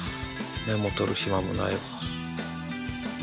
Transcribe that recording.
メモ取る暇もないわ。